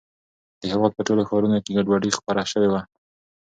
د هېواد په ټولو ښارونو کې ګډوډي خپره شوې وه.